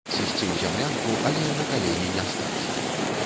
Сысці ў зямлянку, але на калені не стаць.